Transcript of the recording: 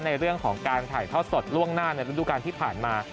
ในเรื่องของการถ่ายทอดสดล่วงหน้าในฤดูการที่ผ่านมา